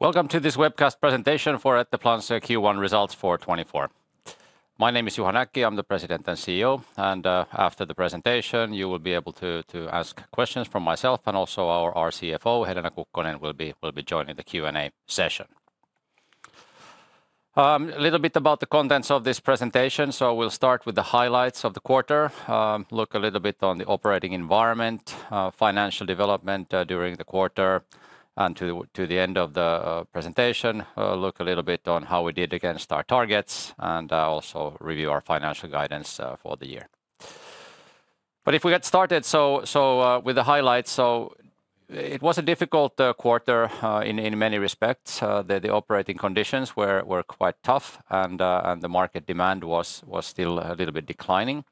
Welcome to this webcast presentation for Etteplan's Q1 results for 2024. My name is Juha Näkki. I'm the President and CEO, and after the presentation, you will be able to ask questions from myself and also our CFO, Helena Kukkonen, will be joining the Q&A session. A little bit about the contents of this presentation. So we'll start with the highlights of the quarter, look a little bit on the operating environment, financial development during the quarter, and to the end of the presentation, look a little bit on how we did against our targets, and also review our financial guidance for the year. But if we get started with the highlights. So it was a difficult quarter in many respects. The operating conditions were quite tough and the market demand was still a little bit declining.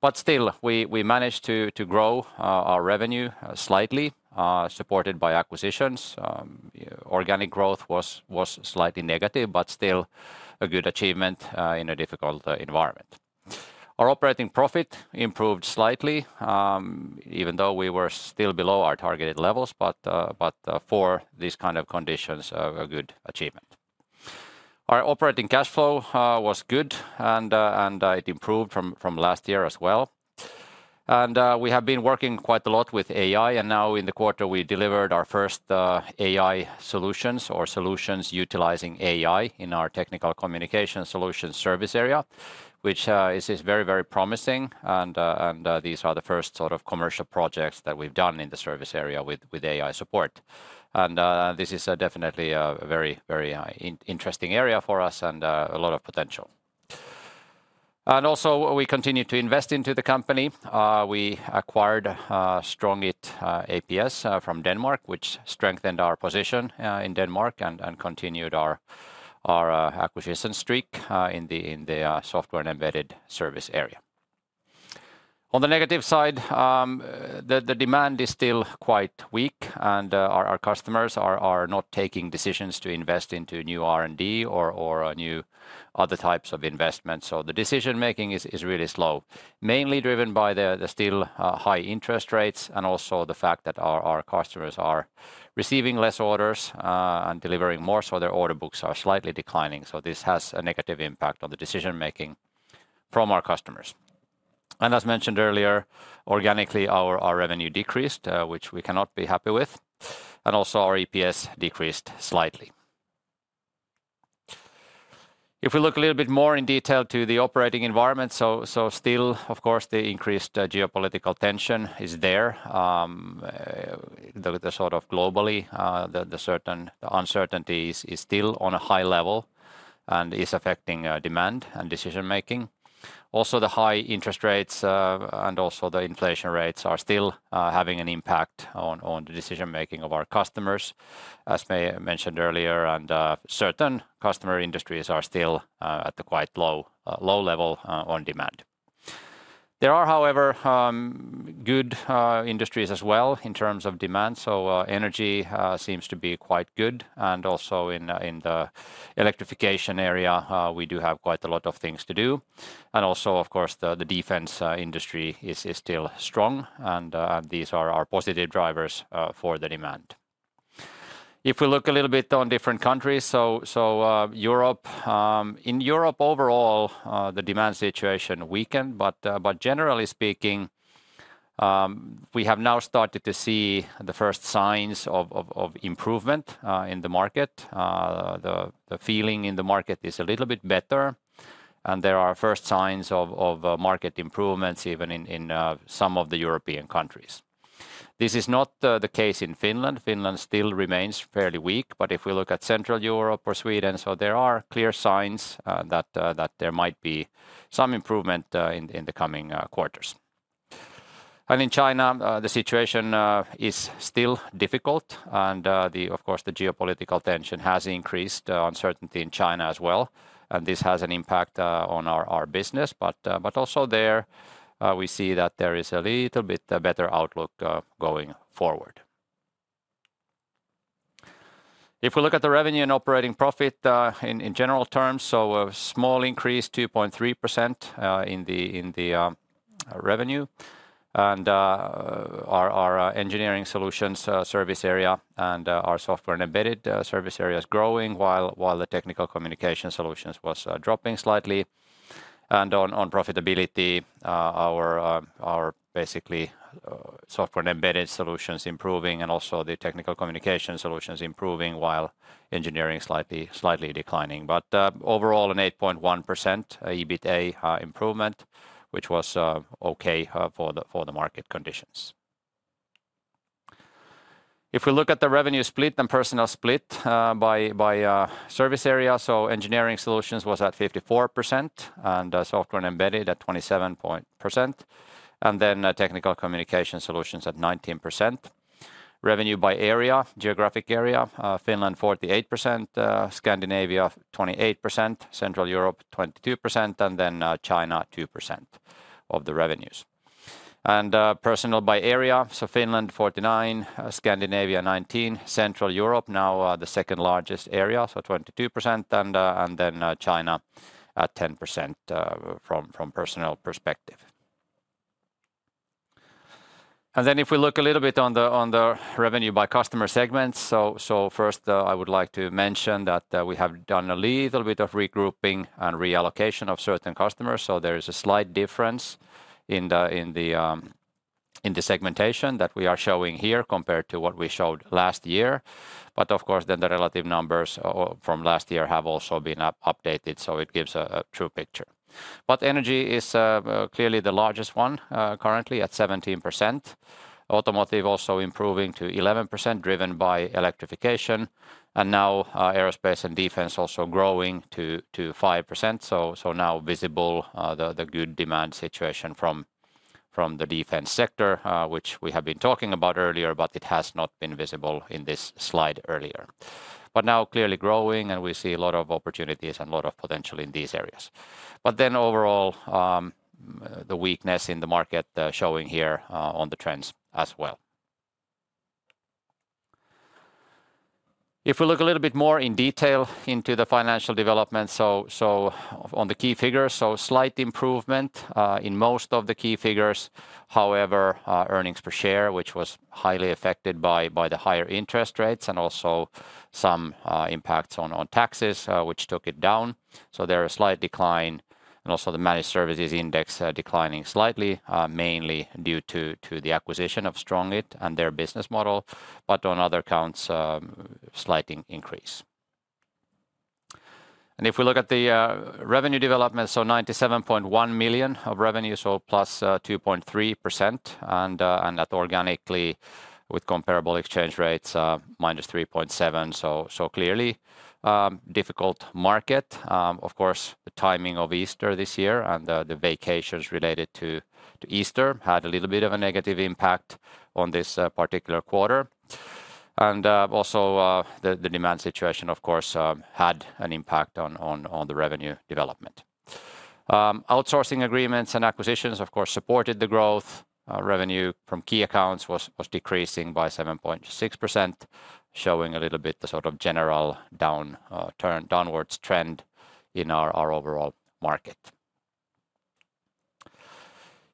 But still, we managed to grow our revenue slightly, supported by acquisitions. Organic growth was slightly negative, but still a good achievement in a difficult environment. Our operating profit improved slightly, even though we were still below our targeted levels, but for these kind of conditions, a good achievement. Our operating cash flow was good, and it improved from last year as well. And, we have been working quite a lot with AI, and now in the quarter, we delivered our first AI solutions or solutions utilizing AI in our Technical Communication Solution service area, which is very, very promising, and these are the first sort of commercial projects that we've done in the service area with AI support. And, this is definitely a very, very interesting area for us and a lot of potential. And also, we continue to invest into the company. We acquired STRONGIT ApS from Denmark, which strengthened our position in Denmark and continued our acquisition streak in the software and embedded service area. On the negative side, the demand is still quite weak, and our customers are not taking decisions to invest into new R&D or new other types of investments. So the decision making is really slow, mainly driven by the still high interest rates and also the fact that our customers are receiving less orders and delivering more, so their order books are slightly declining. So this has a negative impact on the decision making from our customers. And as mentioned earlier, organically, our revenue decreased, which we cannot be happy with, and also our EPS decreased slightly. If we look a little bit more in detail to the operating environment, so still, of course, the increased geopolitical tension is there. The sort of global uncertainties is still on a high level and is affecting demand and decision making. Also, the high interest rates and also the inflation rates are still having an impact on the decision making of our customers, as I mentioned earlier, and certain customer industries are still at quite a low level on demand. There are, however, good industries as well in terms of demand. So, energy seems to be quite good, and also in the electrification area, we do have quite a lot of things to do. And also, of course, the defense industry is still strong, and these are our positive drivers for the demand. If we look a little bit on different countries, Europe, in Europe overall, the demand situation weakened, but generally speaking, we have now started to see the first signs of improvement in the market. The feeling in the market is a little bit better, and there are first signs of market improvements even in some of the European countries. This is not the case in Finland. Finland still remains fairly weak, but if we look at Central Europe or Sweden, so there are clear signs that there might be some improvement in the coming quarters. And in China, the situation is still difficult, and, of course, the geopolitical tension has increased uncertainty in China as well, and this has an impact on our business. But also there, we see that there is a little bit a better outlook going forward. If we look at the revenue and operating profit, in general terms, so a small increase, 2.3%, in the revenue. And, our Engineering Solutions service area and our Software and Embedded Solutions service area is growing, while the Technical Communication Solutions was dropping slightly. And on profitability, our basically Software and Embedded Solutions improving and also the Technical Communication Solutions improving, while Engineering slightly declining. But overall, an 8.1% EBITA improvement, which was okay for the market conditions. If we look at the revenue split and personnel split by service area, so Engineering Solutions was at 54%, and Software and Embedded at 27%, and then Technical Communication Solutions at 19%. Revenue by area, geographic area, Finland 48%, Scandinavia 28%, Central Europe 22%, and then China 2% of the revenues. Personnel by area, so Finland 49%, Scandinavia 19%, Central Europe, now the second largest area, so 22%, and then China at 10% from personnel perspective. And then if we look a little bit on the revenue by customer segments, so first, I would like to mention that we have done a little bit of regrouping and reallocation of certain customers, so there is a slight difference in the segmentation that we are showing here compared to what we showed last year. But of course, then the relative numbers from last year have also been updated, so it gives a true picture. But energy is clearly the largest one, currently at 17%. Automotive also improving to 11%, driven by electrification, and now aerospace and defense also growing to 5%. So now visible, the good demand situation from the defense sector, which we have been talking about earlier, but it has not been visible in this slide earlier. But now clearly growing, and we see a lot of opportunities and a lot of potential in these areas. But then overall, the weakness in the market, showing here, on the trends as well. If we look a little bit more in detail into the financial development, on the key figures, slight improvement in most of the key figures. However, earnings per share, which was highly affected by the higher interest rates and also some impacts on taxes, which took it down, there a slight decline. And also the Managed Services Index, declining slightly, mainly due to the acquisition of STRONGIT and their business model, but on other counts, slight increase. And if we look at the revenue development, so 97.1 million of revenue, so +2.3%. And, and that organically with comparable exchange rates, -3.7%, so clearly, difficult market. Of course, the timing of Easter this year and the vacations related to Easter had a little bit of a negative impact on this particular quarter. And also, the demand situation, of course, had an impact on the revenue development. Outsourcing agreements and acquisitions, of course, supported the growth. Revenue from key accounts was decreasing by 7.6%, showing a little bit the sort of general downwards trend in our overall market.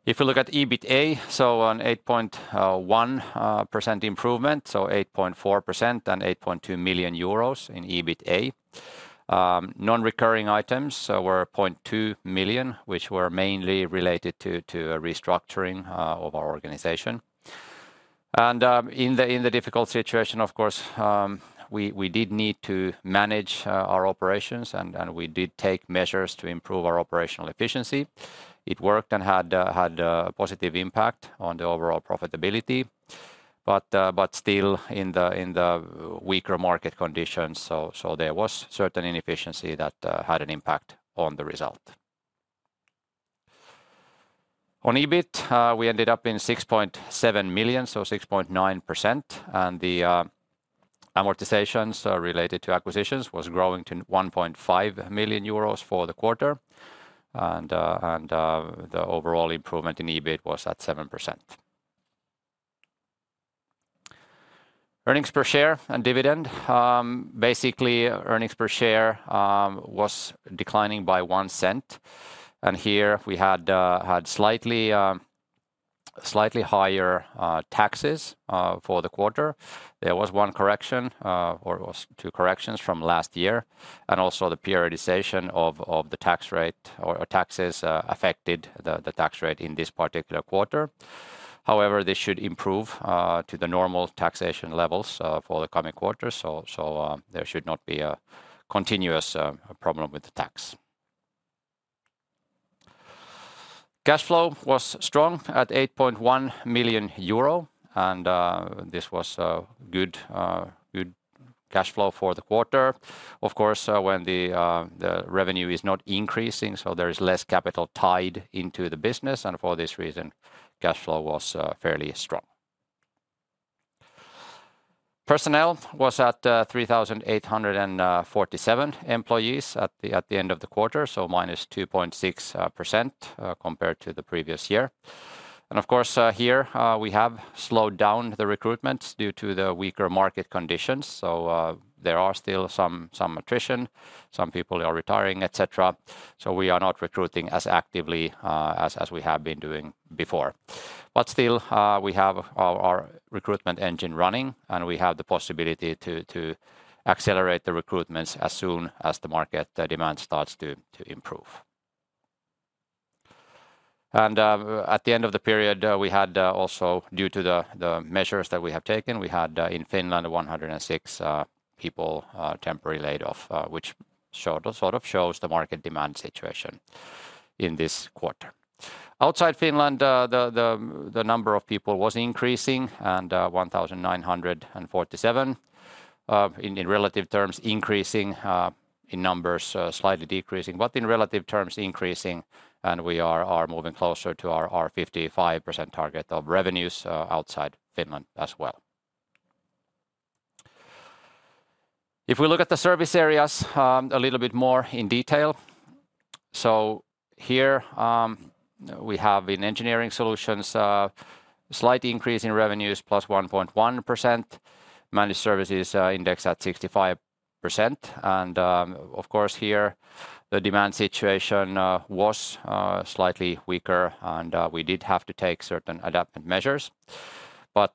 If you look at EBITA, so an 8.1% improvement, so 8.4%, and 8.2 million euros in EBITA. Non-recurring items were 0.2 million, which were mainly related to a restructuring of our organization. In the difficult situation, of course, we did need to manage our operations, and we did take measures to improve our operational efficiency. It worked and had a positive impact on the overall profitability. But still in the weaker market conditions, so there was certain inefficiency that had an impact on the result. On EBIT, we ended up in 6.7 million, so 6.9%, and the amortizations related to acquisitions was growing to 1.5 million euros for the quarter. The overall improvement in EBIT was at 7%. Earnings per share and dividend. Basically, earnings per share was declining by 0.01, and here we had slightly higher taxes for the quarter. There was one correction, or was two corrections from last year, and also the periodization of the tax rate or taxes affected the tax rate in this particular quarter. However, this should improve to the normal taxation levels for the coming quarters, so there should not be a continuous problem with the tax. Cash flow was strong at 8.1 million euro, and this was a good, good cash flow for the quarter. Of course, when the revenue is not increasing, so there is less capital tied into the business, and for this reason, cash flow was fairly strong. Personnel was at 3,847 employees at the end of the quarter, so -2.6% compared to the previous year. Of course, here we have slowed down the recruitments due to the weaker market conditions, so there are still some attrition, some people are retiring, et cetera. We are not recruiting as actively as we have been doing before. But still, we have our recruitment engine running, and we have the possibility to accelerate the recruitments as soon as the market demand starts to improve. At the end of the period, we had also, due to the measures that we have taken, we had in Finland 106 people temporarily laid off, which sort of shows the market demand situation in this quarter. Outside Finland, the number of people was increasing, and 1,947, in relative terms increasing, in numbers slightly decreasing, but in relative terms increasing, and we are moving closer to our 55% target of revenues outside Finland as well. If we look at the service areas, a little bit more in detail, so here, we have in Engineering Solutions, a slight increase in revenues, plus 1.1%. Managed Services Index at 65%. And, of course, here, the demand situation was slightly weaker, and, we did have to take certain adaptive measures. But,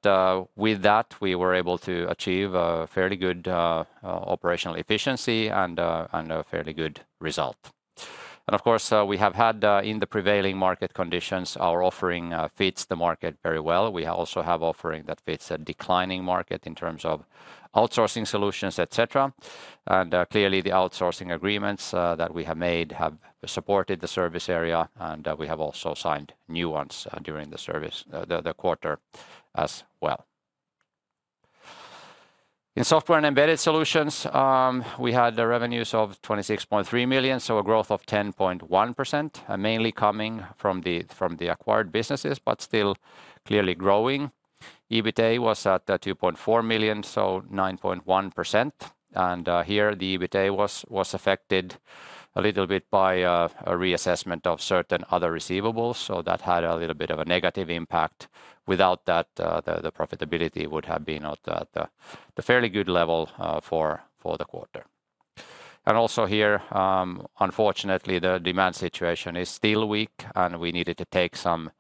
with that, we were able to achieve a fairly good operational efficiency and a fairly good result. And of course, we have had, in the prevailing market conditions, our offering fits the market very well. We also have offering that fits a declining market in terms of outsourcing solutions, et cetera. Clearly, the outsourcing agreements that we have made have supported the service area, and we have also signed new ones during the service, the quarter as well. In Software and Embedded Solutions, we had revenues of 26.3 million, so a growth of 10.1%, mainly coming from the acquired businesses, but still clearly growing. EBITA was at 2.4 million, so 9.1%. Here, the EBITA was affected a little bit by a reassessment of certain other receivables, so that had a little bit of a negative impact. Without that, the profitability would have been at the fairly good level for the quarter. And also here, unfortunately, the demand situation is still weak, and we needed to take some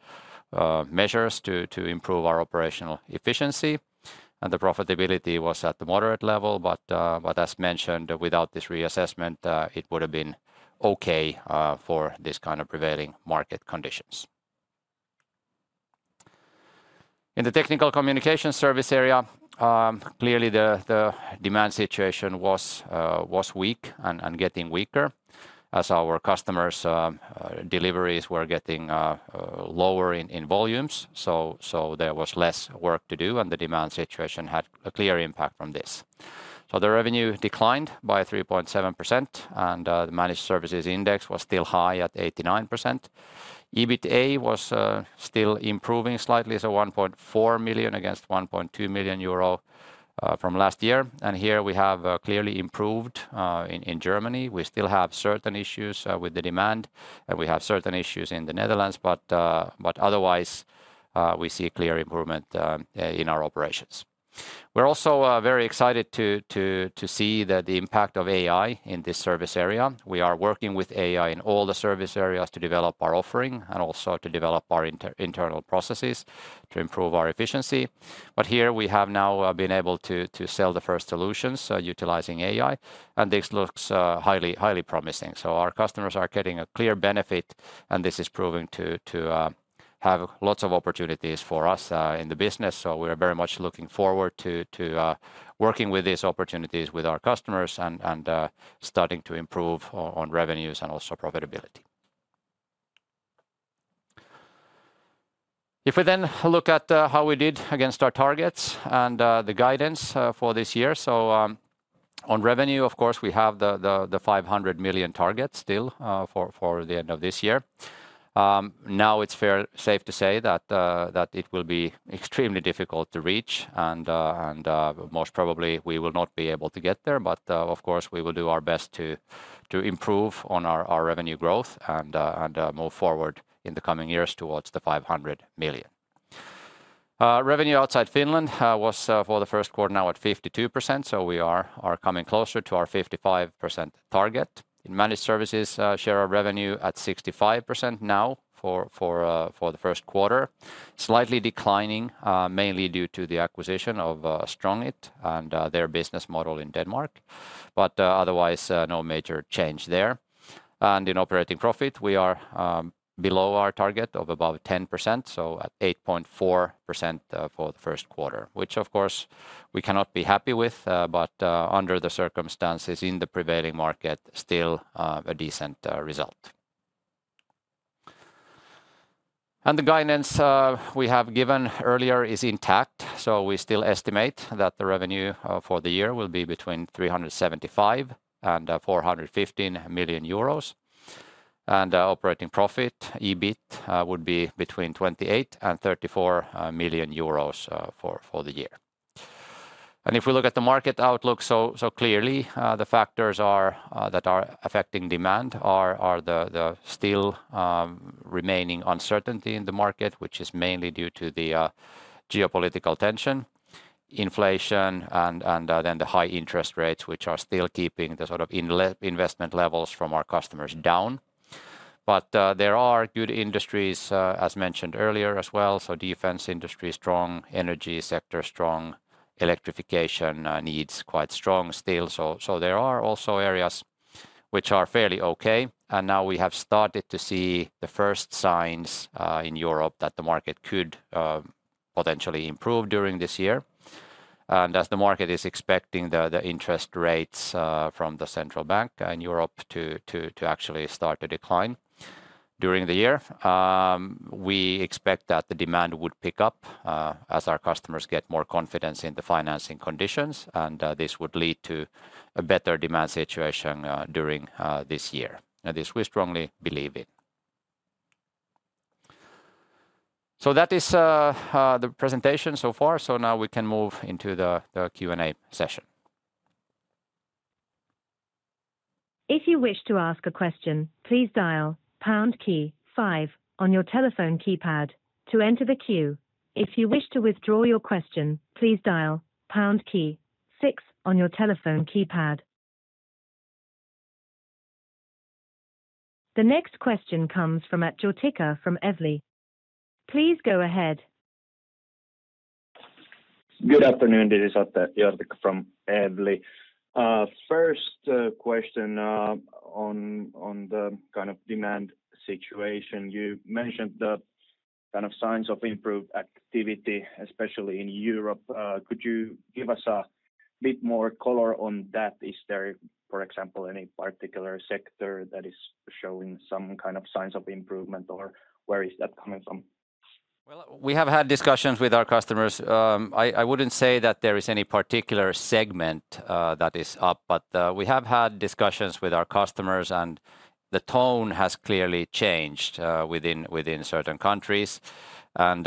measures to improve our operational efficiency, and the profitability was at the moderate level. But as mentioned, without this reassessment, it would have been okay for this kind of prevailing market conditions. In the Technical Communication service area, clearly, the demand situation was weak and getting weaker as our customers' deliveries were getting lower in volumes. So there was less work to do, and the demand situation had a clear impact from this. So the revenue declined by 3.7%, and the Managed Services Index was still high at 89%. EBITA was still improving slightly, so 1.4 million against 1.2 million euro from last year. Here we have clearly improved in Germany. We still have certain issues with the demand, and we have certain issues in the Netherlands, but otherwise we see a clear improvement in our operations. We're also very excited to see the impact of AI in this service area. We are working with AI in all the service areas to develop our offering and also to develop our internal processes to improve our efficiency. But here we have now been able to sell the first solutions utilizing AI, and this looks highly promising. So our customers are getting a clear benefit, and this is proving to have lots of opportunities for us in the business. So we're very much looking forward to working with these opportunities with our customers and starting to improve on revenues and also profitability. If we then look at how we did against our targets and the guidance for this year, on revenue, of course, we have the 500 million target still for the end of this year. Now it's fair to say that it will be extremely difficult to reach and most probably we will not be able to get there. But of course, we will do our best to improve on our revenue growth and move forward in the coming years towards the 500 million. Revenue outside Finland was for the Q1 now at 52%, so we are coming closer to our 55% target. In managed services, share our revenue at 65% now for the Q1. Slightly declining, mainly due to the acquisition of STRONGIT and their business model in Denmark, but otherwise no major change there. And in operating profit, we are below our target of above 10%, so at 8.4% for the Q1, which of course we cannot be happy with, but under the circumstances in the prevailing market, still a decent result. The guidance we have given earlier is intact, so we still estimate that the revenue for the year will be between 375 million and 415 million euros. Operating profit, EBIT, would be between 28 million and 34 million euros for the year. If we look at the market outlook, so clearly the factors that are affecting demand are the still remaining uncertainty in the market, which is mainly due to the geopolitical tension, inflation, and then the high interest rates, which are still keeping the sort of investment levels from our customers down. But there are good industries as mentioned earlier as well, so defense industry, strong energy sector, strong electrification needs, quite strong still. So there are also areas which are fairly okay, and now we have started to see the first signs in Europe that the market could potentially improve during this year. And as the market is expecting the interest rates from the central bank in Europe to actually start to decline during the year, we expect that the demand would pick up as our customers get more confidence in the financing conditions, and this would lead to a better demand situation during this year. And this, we strongly believe it. So that is the presentation so far. So now we can move into the Q&A session.... If you wish to ask a question, please dial pound key five on your telephone keypad to enter the queue. If you wish to withdraw your question, please dial pound key six on your telephone keypad. The next question comes from Atte Jortikka from Evli. Please go ahead. Good afternoon, this is Atte Jortikka from Evli. First, question, on the kind of demand situation. You mentioned the kind of signs of improved activity, especially in Europe. Could you give us a bit more color on that? Is there, for example, any particular sector that is showing some kind of signs of improvement or where is that coming from? Well, we have had discussions with our customers. I wouldn't say that there is any particular segment that is up, but we have had discussions with our customers, and the tone has clearly changed within certain countries. And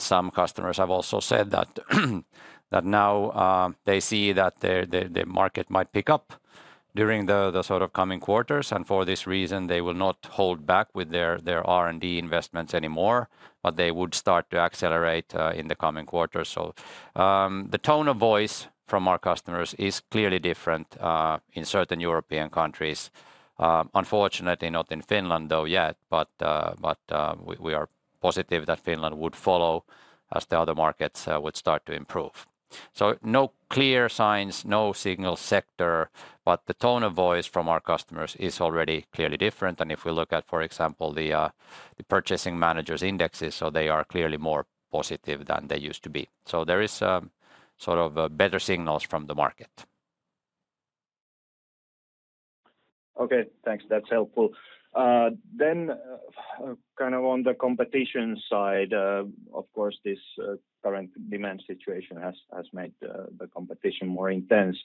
some customers have also said that now they see that the market might pick up during the sort of coming quarters, and for this reason, they will not hold back with their R&D investments anymore, but they would start to accelerate in the coming quarters. So, the tone of voice from our customers is clearly different in certain European countries. Unfortunately, not in Finland, though, yet, but we are positive that Finland would follow as the other markets would start to improve. So no clear signs, no signal sector, but the tone of voice from our customers is already clearly different. And if we look at, for example, the purchasing managers' indexes, so they are clearly more positive than they used to be. So there is, sort of, better signals from the market. Okay, thanks. That's helpful. Then, kind of on the competition side, of course, this current demand situation has made the competition more intense.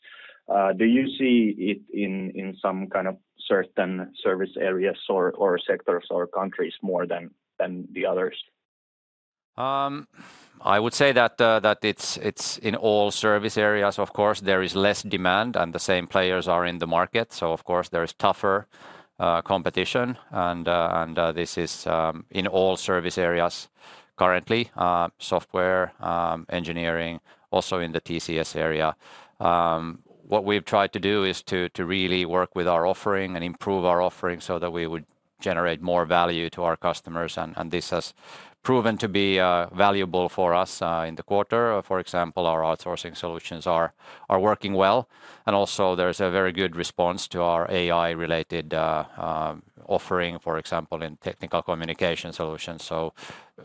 Do you see it in some kind of certain service areas or sectors or countries more than the others? I would say that it's in all service areas, of course, there is less demand, and the same players are in the market. So of course, there is tougher competition, and this is in all service areas currently, software engineering, also in the TCS area. What we've tried to do is to really work with our offering and improve our offering so that we would generate more value to our customers, and this has proven to be valuable for us in the quarter. For example, our outsourcing solutions are working well, and also there's a very good response to our AI-related offering, for example, in Technical Communication Solutions. So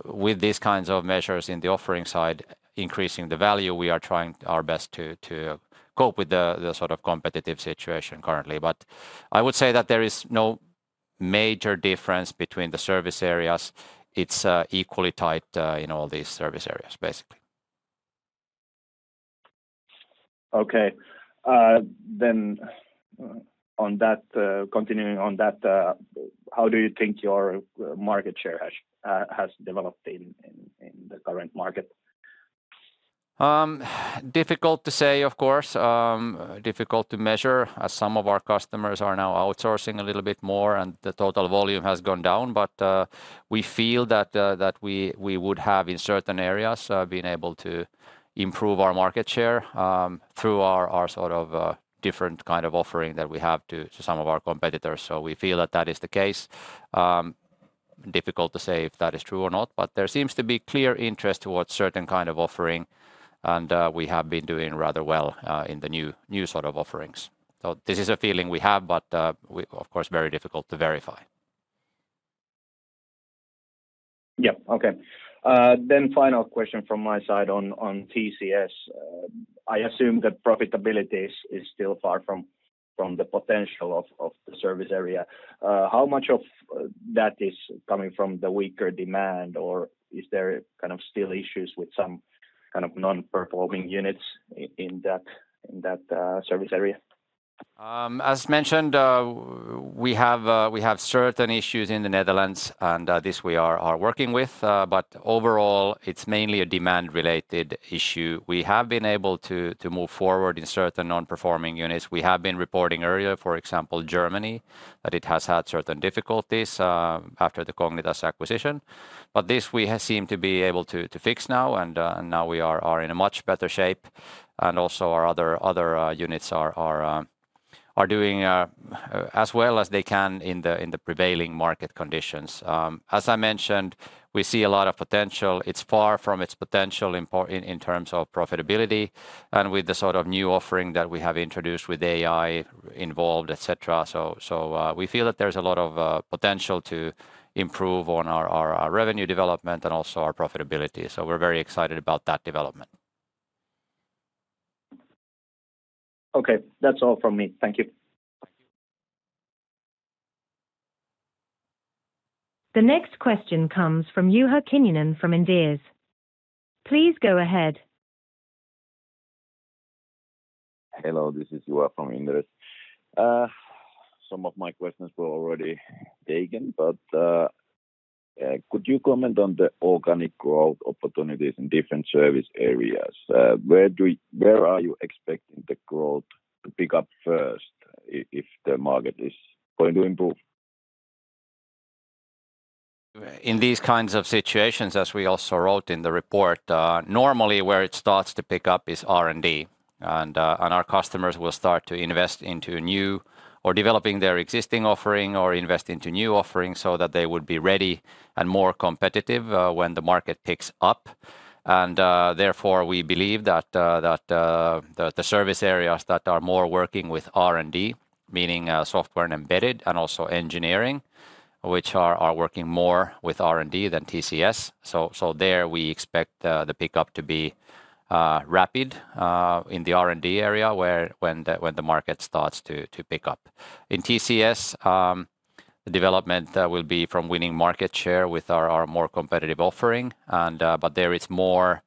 with these kinds of measures in the offering side, increasing the value, we are trying our best to cope with the sort of competitive situation currently. But I would say that there is no major difference between the service areas. It's equally tight in all these service areas, basically. Okay. Then, on that, continuing on that, how do you think your market share has developed in the current market? Difficult to say, of course. Difficult to measure, as some of our customers are now outsourcing a little bit more, and the total volume has gone down. But, we feel that, that we would have, in certain areas, been able to improve our market share, through our sort of, different kind of offering that we have to some of our competitors. So we feel that that is the case. Difficult to say if that is true or not, but there seems to be clear interest towards certain kind of offering, and, we have been doing rather well, in the new sort of offerings. So this is a feeling we have, but, of course, very difficult to verify. Yeah. Okay. Then final question from my side on TCS. I assume that profitability is still far from the potential of the service area. How much of that is coming from the weaker demand, or is there kind of still issues with some kind of non-performing units in that service area? As mentioned, we have certain issues in the Netherlands, and this we are working with, but overall, it's mainly a demand-related issue. We have been able to move forward in certain non-performing units. We have been reporting earlier, for example, Germany, that it has had certain difficulties after the Cognitas acquisition. But this we have seemed to be able to fix now, and now we are in a much better shape. And also our other units are doing as well as they can in the prevailing market conditions. As I mentioned, we see a lot of potential. It's far from its potential in terms of profitability and with the sort of new offering that we have introduced with AI involved, et cetera. So, we feel that there's a lot of potential to improve on our revenue development and also our profitability, so we're very excited about that development. Okay, that's all from me. Thank you. The next question comes from Juha Kinnunen from Inderes. Please go ahead. Hello, this is Juha from Inderes. Some of my questions were already taken, but could you comment on the organic growth opportunities in different service areas? Where are you expecting the growth to pick up first if the market is going to improve? In these kinds of situations, as we also wrote in the report, normally where it starts to pick up is R&D, and our customers will start to invest into new or developing their existing offering or invest into new offerings so that they would be ready and more competitive when the market picks up. Therefore, we believe that the service areas that are more working with R&D, meaning software and embedded, and also engineering, which are working more with R&D than TCS. So there we expect the pickup to be rapid in the R&D area where when the market starts to pick up. In TCS, the development will be from winning market share with our more competitive offering and... But there is more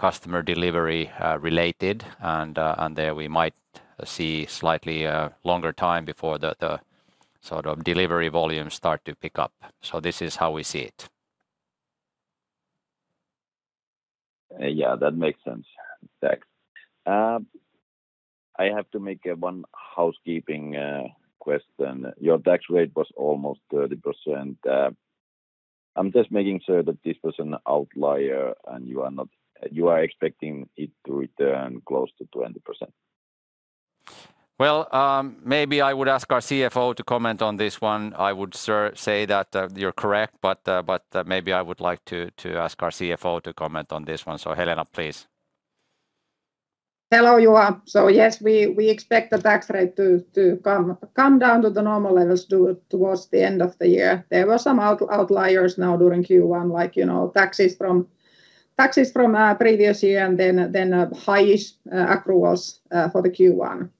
customer delivery related, and there we might see slightly longer time before the sort of delivery volumes start to pick up. So this is how we see it. Yeah, that makes sense. Thanks. I have to make one housekeeping question. Your tax rate was almost 30%. I'm just making sure that this was an outlier, and you are not-- You are expecting it to return close to 20%. Well, maybe I would ask our CFO to comment on this one. I would say that you're correct, but maybe I would like to ask our CFO to comment on this one. So Helena, please. Hello, Juha. So yes, we expect the tax rate to come down to the normal levels towards the end of the year. There were some outliers now during Q1, like, you know, taxes from previous year, and then high-ish accruals for the Q1.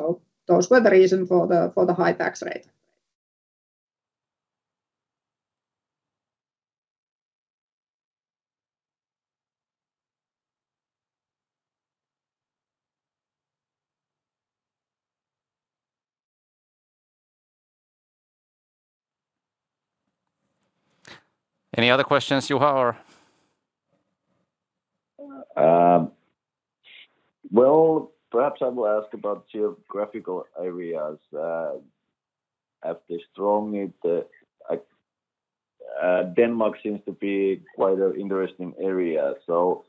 So those were the reason for the high tax rate. Any other questions, Juha, or? Well, perhaps I will ask about geographical areas after STRONGIT. Denmark seems to be quite an interesting area, so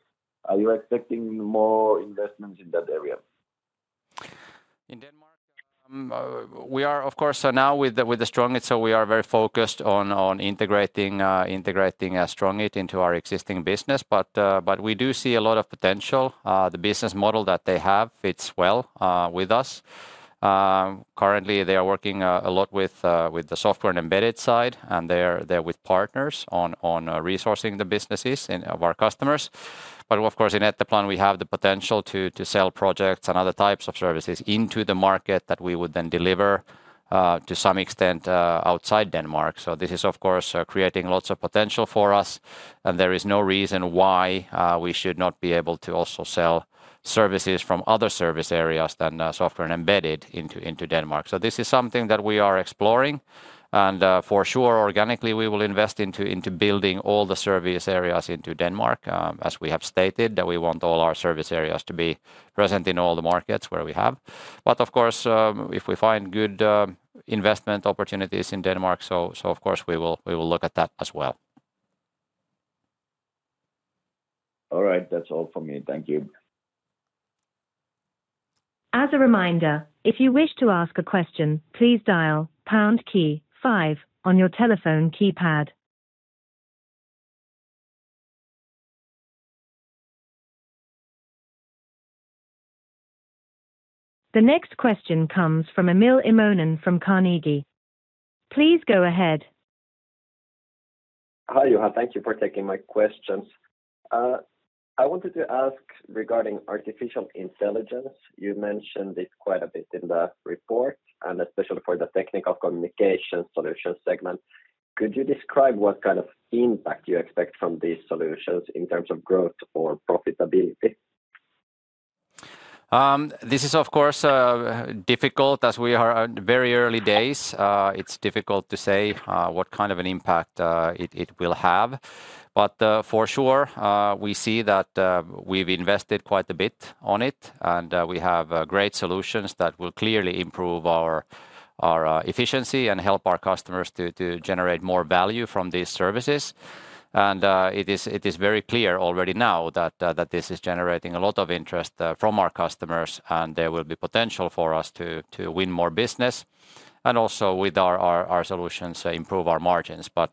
are you expecting more investments in that area? In Denmark, we are, of course, so now with the STRONGIT, so we are very focused on integrating STRONGIT into our existing business. But we do see a lot of potential. The business model that they have fits well with us. Currently, they are working a lot with the software and embedded side, and they're there with partners on resourcing the businesses and of our customers. But of course, in Etteplan, we have the potential to sell projects and other types of services into the market that we would then deliver, to some extent, outside Denmark. So this is, of course, creating lots of potential for us, and there is no reason why we should not be able to also sell services from other service areas than software and embedded into Denmark. So this is something that we are exploring, and, for sure, organically, we will invest into building all the service areas into Denmark. As we have stated, that we want all our service areas to be present in all the markets where we have. But of course, if we find good investment opportunities in Denmark, so of course we will look at that as well. All right. That's all for me. Thank you. As a reminder, if you wish to ask a question, please dial pound key five on your telephone keypad. The next question comes from Emil Immonen from Carnegie. Please go ahead. Hi, Juha, thank you for taking my questions. I wanted to ask regarding artificial intelligence, you mentioned it quite a bit in the report, and especially for the Technical Communication Solution segment. Could you describe what kind of impact you expect from these solutions in terms of growth or profitability? This is, of course, difficult, as we are at very early days. It's difficult to say what kind of an impact it will have. But, for sure, we see that we've invested quite a bit on it, and we have great solutions that will clearly improve our efficiency and help our customers to generate more value from these services. And it is very clear already now that this is generating a lot of interest from our customers, and there will be potential for us to win more business, and also with our solutions, improve our margins. But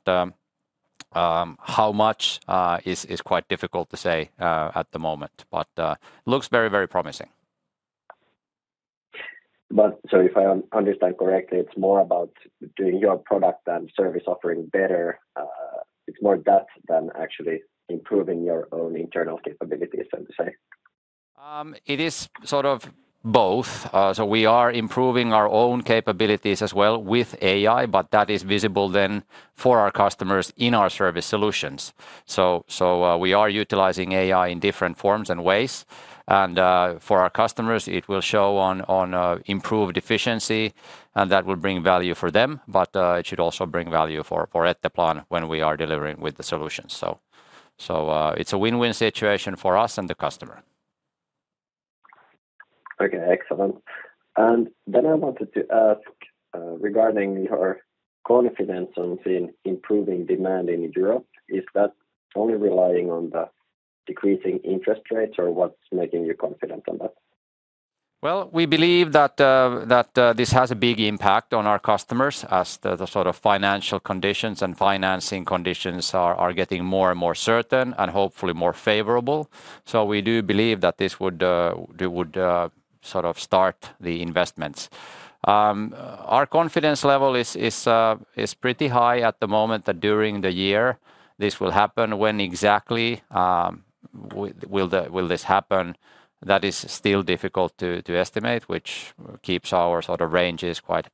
how much is quite difficult to say at the moment, but looks very, very promising. But so if I understand correctly, it's more about doing your product and service offering better. It's more that than actually improving your own internal capabilities, so to say? It is sort of both. So we are improving our own capabilities as well with AI, but that is visible then for our customers in our service solutions. So we are utilizing AI in different forms and ways, and for our customers, it will show on, on improved efficiency, and that will bring value for them, but it should also bring value for Etteplan when we are delivering with the solutions. So it's a win-win situation for us and the customer. ... Okay, excellent. Then I wanted to ask, regarding your confidence on the improving demand in Europe, is that only relying on the decreasing interest rates, or what's making you confident on that? Well, we believe that this has a big impact on our customers as the sort of financial conditions and financing conditions are getting more and more certain, and hopefully, more favorable. So we do believe that this would sort of start the investments. Our confidence level is pretty high at the moment that during the year, this will happen. When exactly will this happen? That is still difficult to estimate, which keeps our sort of ranges quite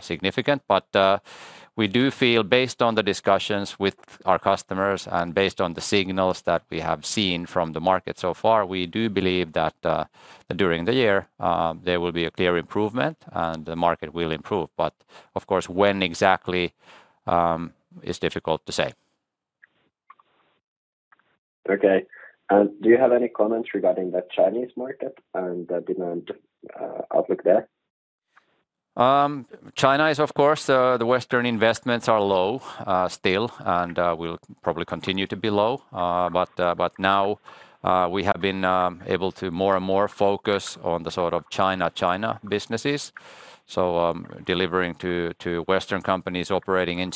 significant. But we do feel based on the discussions with our customers and based on the signals that we have seen from the market so far, we do believe that during the year there will be a clear improvement, and the market will improve. But of course, when exactly is difficult to say. Okay. Do you have any comments regarding the Chinese market and the demand, outlook there? China is, of course, the Western investments are low, still, and will probably continue to be low. But now, we have been able to more and more focus on the sort of China businesses. So, delivering to Western companies operating in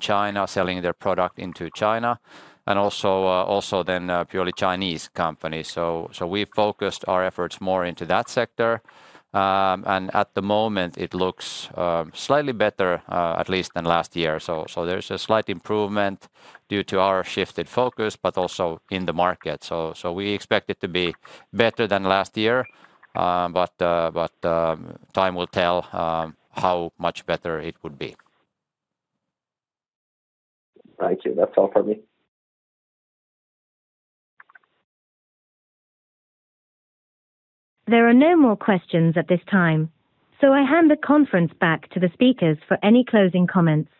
China, selling their product into China, and also then purely Chinese companies. So, we focused our efforts more into that sector. And at the moment it looks slightly better, at least than last year. So, there's a slight improvement due to our shifted focus, but also in the market. So, we expect it to be better than last year, but time will tell how much better it would be. Thank you. That's all for me. There are no more questions at this time, so I hand the conference back to the speakers for any closing comments.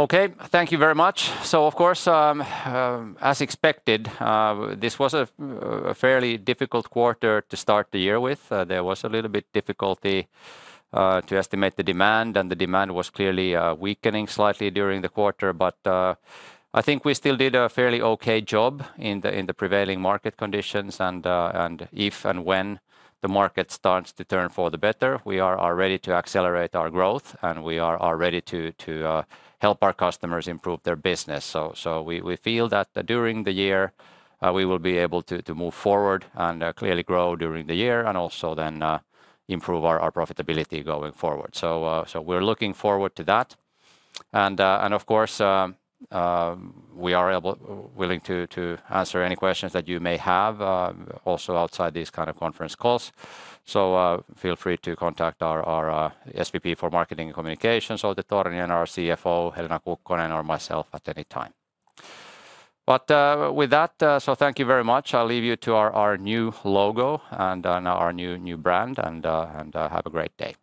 Okay, thank you very much. So of course, as expected, this was a fairly difficult quarter to start the year with. There was a little bit difficulty to estimate the demand, and the demand was clearly weakening slightly during the quarter. But I think we still did a fairly okay job in the prevailing market conditions. And if and when the market starts to turn for the better, we are ready to accelerate our growth, and we are ready to help our customers improve their business. So we feel that during the year, we will be able to move forward and clearly grow during the year and also then improve our profitability going forward. So we're looking forward to that. Of course, we are willing to answer any questions that you may have, also outside these kind of conference calls. Feel free to contact our SVP for Marketing and Communications, Outi Torniainen, our CFO, Helena Kukkonen, or myself at any time. With that, thank you very much. I'll leave you to our new logo and our new brand, and have a great day.